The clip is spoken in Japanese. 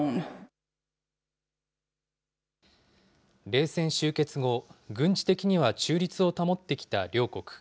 冷戦終結後、軍事的には中立を保ってきた両国。